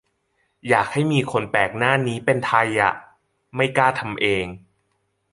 อยากให้มีคนแปลหน้านี้เป็นไทยอ่ะ ไม่กล้าทำเอง